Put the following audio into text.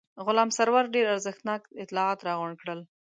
غلام سرور ډېر ارزښتناک اطلاعات راغونډ کړل.